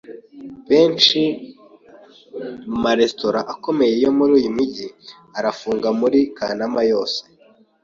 Benshi mu maresitora akomeye yo muri uyu mujyi arafunga muri Kanama yose.